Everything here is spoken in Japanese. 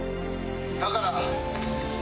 「だから」